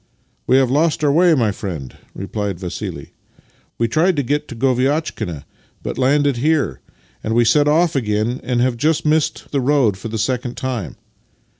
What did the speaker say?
" We have lost our way, my friend," replied Vassili. " We tried to get to Goviatchkina, but landed here. Then we set off again, and have just missed the road for the second time."